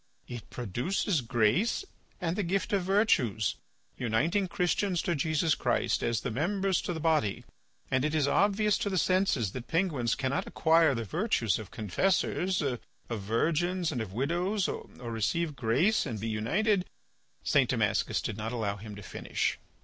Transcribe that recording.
It produces grace and the gift of virtues, uniting Christians to Jesus Christ, as the members to the body, and it is obvious to the senses that penguins cannot acquire the virtues of confessors, of virgins, and of widows, or receive grace and be united to—" St. Damascus did not allow him to finish.